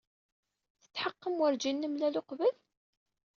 Tetḥeqqem werjin nemlal uqbel?